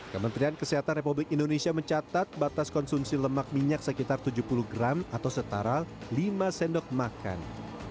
kementerian kesehatan republik indonesia mencatat batas konsumsi lemak minyak sekitar tujuh puluh gram atau setara lima sendok makan